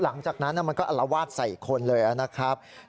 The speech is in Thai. หลังจากนั้นมันก็อลวาดใส่คนเลยนะครับ